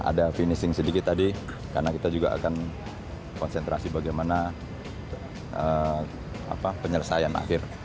ada finishing sedikit tadi karena kita juga akan konsentrasi bagaimana penyelesaian akhir